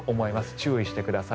注意してください。